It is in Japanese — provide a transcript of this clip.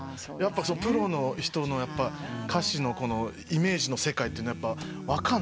プロの人の歌詞のイメージの世界って分かんないっすね。